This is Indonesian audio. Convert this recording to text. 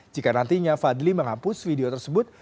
jika nantinya fadli menghapus video tersebut